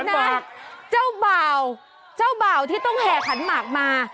เดี๋ยวนั้นเจ้าเบาเจ้าเบาที่ต้องแห่ขันหมากมา